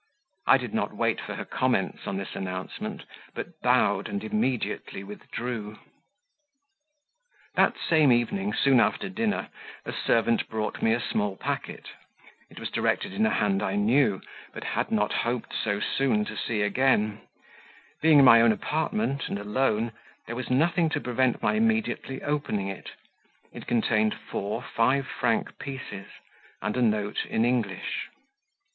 I did not wait for her comments on this announcement, but bowed and immediately withdrew. That same evening, soon after dinner, a servant brought me a small packet; it was directed in a hand I knew, but had not hoped so soon to see again; being in my own apartment and alone, there was nothing to prevent my immediately opening it; it contained four five franc pieces, and a note in English.